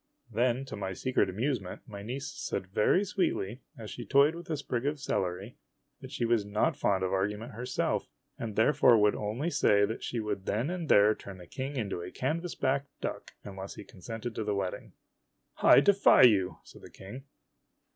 Then, to my secret amusement, my niece said very sweetly, as "'THIS is PREPOSTEROUS!' SAID THE DUCK IN A RAGE." she toyed with a sprig of celery, that she was not fond of argument herself, and therefore would only say that she would then and there turn the king into a canvasback duck, unless he consented to the weddino .*_>" I defy you !" said the King.